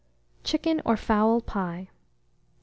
CHICKEN OR FOWL PIE. 929.